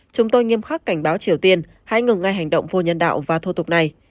chúng tôi nghiêm khắc cảnh báo triều tiên hãy ngừng ngay hành động vô nhân đạo và thô tục này